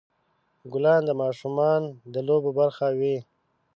ګلان د ماشومان د لوبو برخه وي.